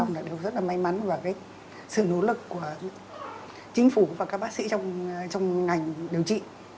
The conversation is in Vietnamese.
chúng ta đều rất là may mắn và sự nỗ lực của chính phủ và các bác sĩ trong ngành điều trị